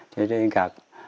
thế đến cả